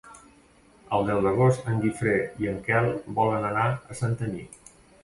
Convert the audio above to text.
El deu d'agost en Guifré i en Quel volen anar a Santanyí.